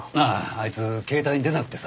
あいつ携帯に出なくてさ。